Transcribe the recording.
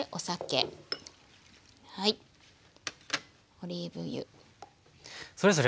オリーブ油。